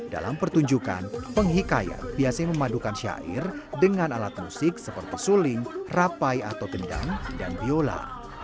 dalam pertunjukan penghikayat biasanya memadukan syair dengan alat musik seperti suling rapai atau gendang dan biola